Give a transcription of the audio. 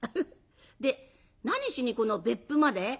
で何しにこの別府まで？」。